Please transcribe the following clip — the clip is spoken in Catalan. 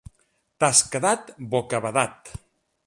T'has quedat bocabadat.